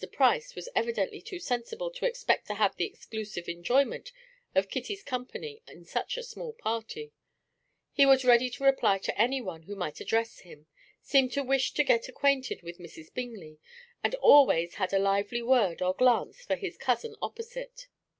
Price was evidently too sensible to expect to have the exclusive enjoyment of Kitty's company in such a small party. He was ready to reply to anyone who might address him, seemed to wish to get acquainted with Mrs. Bingley, and always had a lively word or glance for his cousin opposite.